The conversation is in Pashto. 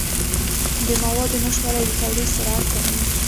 د موادو نشتوالی د تولید سرعت کموي.